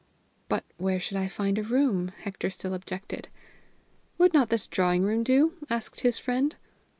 "But where should I find a room?" Hector still objected. "Would not this drawing room do?" asked his friend.